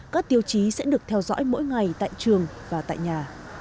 các tiêu chí sẽ được theo dõi mỗi ngày tại trường và tại nhà